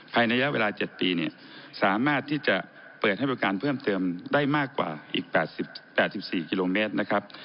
ภายในระยะเวลา๗ปีเนี่ยสามารถที่จะเปิดให้บริการเพิ่มเติมได้มากกว่าอีก๘๔กิโลเมตรนะครับ